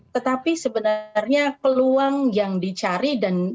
tetapi sebenarnya peluang yang dicari dan